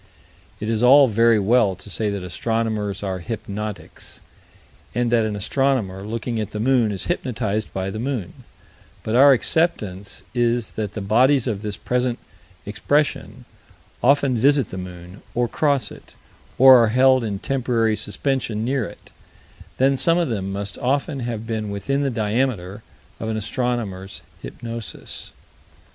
It is all very well to say that astronomers are hypnotics, and that an astronomer looking at the moon is hypnotized by the moon, but our acceptance is that the bodies of this present expression often visit the moon, or cross it, or are held in temporary suspension near it then some of them must often have been within the diameter of an astronomer's hypnosis.